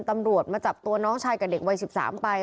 ตำรวจมาจับตัวน้องชายกับเด็กวัย๑๓ไป